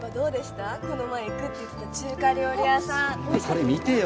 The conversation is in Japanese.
これ見てよ。